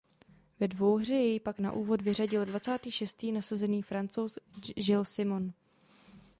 Ve dvouhře jej pak na úvod vyřadil dvacátý šestý nasazený Francouz Gilles Simon.